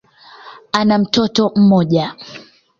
Ana mtoto mmoja.